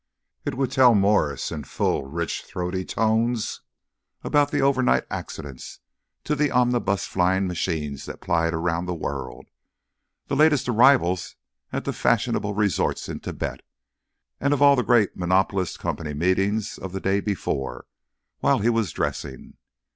It would tell Mwres in full, rich, throaty tones about the overnight accidents to the omnibus flying machines that plied around the world, the latest arrivals at the fashionable resorts in Tibet, and of all the great monopolist company meetings of the day before, while he was dressing.